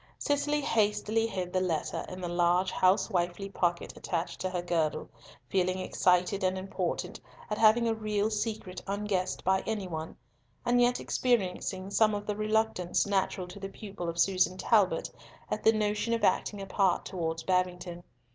Cicely hastily hid the letter in the large housewifely pocket attached to her girdle, feeling excited and important at having a real secret unguessed by any one, and yet experiencing some of the reluctance natural to the pupil of Susan Talbot at the notion of acting a part towards Babington.